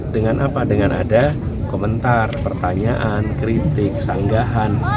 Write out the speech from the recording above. dengan apa dengan ada komentar pertanyaan kritik sanggahan